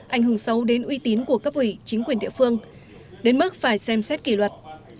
ảnh hưởng xấu đến uy tín của cấp ủy chính quyền địa phương đến mức phải xem xét kỷ luật